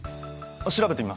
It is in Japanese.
調べてみます。